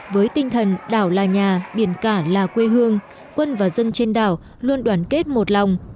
với tinh thần đảo là nhà biển cả là quê hương quân và dân trên đảo luôn đoàn kết một lòng